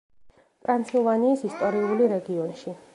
ტრანსილვანიის ისტორიული რეგიონში.